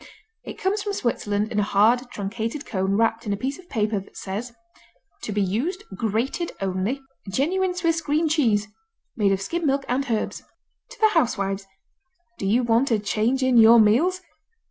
It comes from Switzerland in a hard, truncated cone wrapped in a piece of paper that says: To be used grated only Genuine Swiss Green Cheese Made of skimmed milk and herbs To the housewives! Do you want a change in your meals?